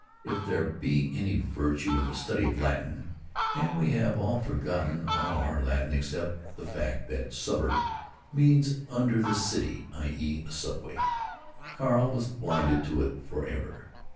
If there be any virtue in the study of Latin (and we have all forgotten all our Latin except the fact that "suburb" means "under the city"—i. e., a subway), Carl was blinded to it for ever.